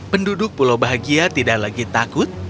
penduduk pulau bahagia tidak lagi takut